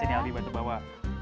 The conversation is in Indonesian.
sini albi bantu bawa